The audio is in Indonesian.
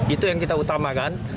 itu yang kita utamakan